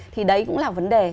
thì đấy cũng là vấn đề